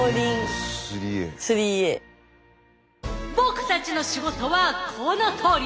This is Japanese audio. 僕たちの仕事はこのとおり！